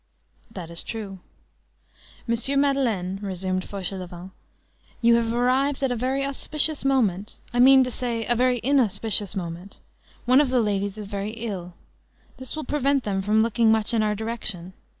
"That is true." "Monsieur Madeleine," resumed Fauchelevent, "you have arrived at a very auspicious moment, I mean to say a very inauspicious moment; one of the ladies is very ill. This will prevent them from looking much in our direction.